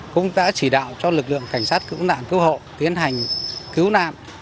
cũng đã chỉ đạo cho lực lượng cảnh sát cứu nạn cứu hộ tiến hành cứu nạn